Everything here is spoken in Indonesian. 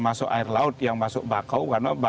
masuk air laut yang masuk bakau karena